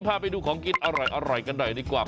พาไปดูของกินอร่อยกันหน่อยดีกว่า